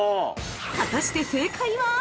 ◆果たして、正解は？